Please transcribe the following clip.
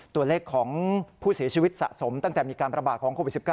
ตัวเลขของผู้เสียชีวิตสะสมตั้งแต่มีการประบาดของโควิด๑๙